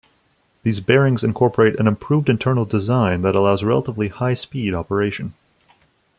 These bearings incorporate an improved internal design that allows relatively high-speed operation.